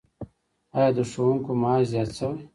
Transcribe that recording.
آیا د ښوونکو معاش زیات شوی؟